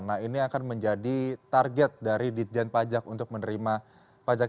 nah ini akan menjadi target dari ditjen pajak untuk menerima pajak